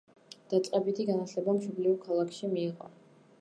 დაწყებითი განათლება მშობლიურ ქალაქში მიიღო.